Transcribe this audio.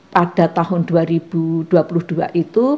pada tahun dua ribu dua puluh dua itu